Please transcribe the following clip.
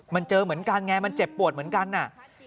มันเจอเหมือนกันไงมันเจ็บปวดเหมือนกันน่ะ